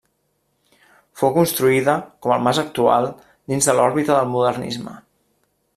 Fou construïda, com el mas actual, dins de l'òrbita del modernisme.